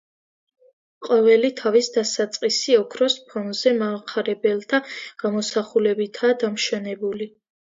ყოველი თავის დასაწყისი ოქროს ფონზე მახარებელთა გამოსახულებითაა დამშვენებული.